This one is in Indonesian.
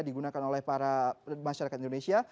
digunakan oleh para masyarakat indonesia